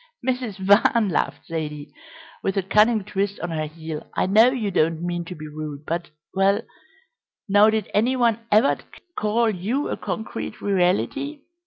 "Mrs. Van," laughed Zaidie, with a cunning twist on her heel, "I know you don't mean to be rude, but well, now did any one ever call you a concrete reality?